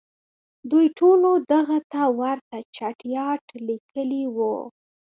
دوی ټولو دغه ته ورته چټیاټ لیکلي وو.